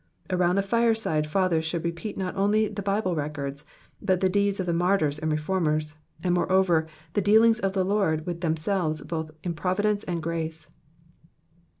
Around the fire side fathers should repeat not only the Bible records, but the deeds of the martyrs and reformers, and moreover the dealings of the Lord with them selves both in providence and grace.